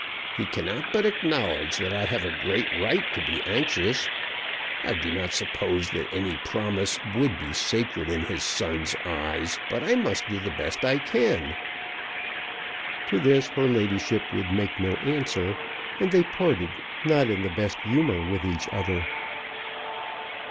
He cannot but acknowledge that I have a great right to be anxious. I do not suppose that any promise would be sacred in his son's eyes, but I must do the best I can." To this her ladyship would make no answer, and they parted, not in the best humour with each other.